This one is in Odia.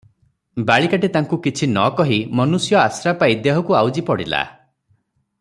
ବାଳିକାଟି ତାଙ୍କୁ କିଛି ନକହି ମନୁଷ୍ୟ ଆଶ୍ରା ପାଇ ଦେହକୁ ଆଉଜି ପଡ଼ିଲା ।